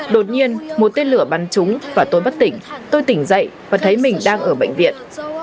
đột nhiên một tên lửa bắn chúng và tôi bất tỉnh tôi tỉnh dậy và thấy mình đang ở bệnh viện